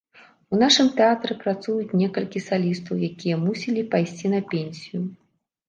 У нашым тэатры працуюць некалькі салістаў, якія мусілі пайсці на пенсію.